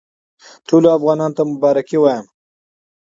ټولو افغانانو ته مبارکي وایم.